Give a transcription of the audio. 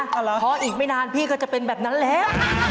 เพราะอีกไม่นานพี่ก็จะเป็นแบบนั้นแล้ว